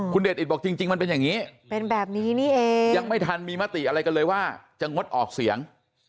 คุณเดชอิตบอกจริงมันเป็นอย่างนี้เป็นแบบนี้นี่เองยังไม่ทันมีมติอะไรกันเลยว่าจะงดออกเสียง